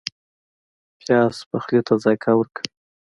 پیاز پخلی ته ذایقه ورکوي